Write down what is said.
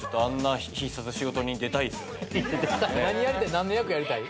何の役やりたい？